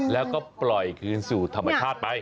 แล้วก็ปล่อยคืนสู่ธรรมชาติไป